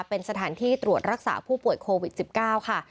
เป็นสถานที่ตรวจรักษาผู้ป่วยโควิด๑๙ค่ะ